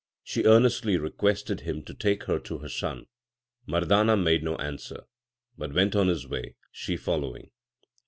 She earnestly requested him to take her to her son. Mardana made no answer, but went on his way, she following.